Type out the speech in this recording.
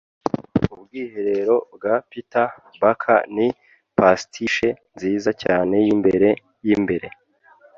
Ubwiherero bwa Peter Baker ni pastiche nziza cyane yimbere yimbere